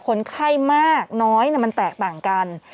คนไข้มากน้อยมันแตกต่างกัน